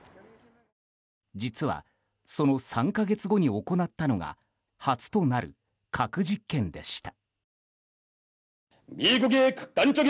実はその２か月後に行ったのが初となる核実験でした。